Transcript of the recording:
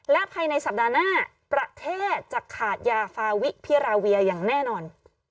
และภายในสัปดาห์หน้าประเทศจะขาดยาฟาวิพิราเวียอย่างแน่นอน